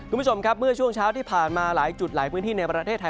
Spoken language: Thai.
คุณผู้ชมครับเมื่อช่วงเช้าที่ไปมาหลายห้อยจุดหลายมือข้างในประเทศไทย